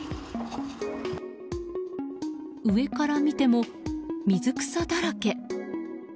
上から見ても、水草だらけ。